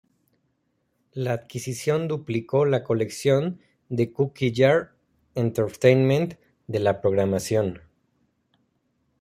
La adquisición duplicó la colección de Cookie Jar Entertainment, de la programación.